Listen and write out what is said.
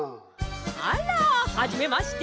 あらはじめまして。